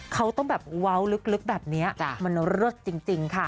เขาต้องแบบเว้าลึกแบบนี้มันเลิศจริงค่ะ